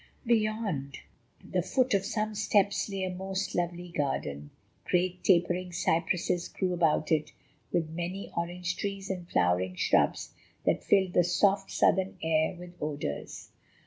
Beyond the foot of some steps lay a most lovely garden. Great, tapering cypresses grew about it, with many orange trees and flowering shrubs that filled the soft, southern air with odours.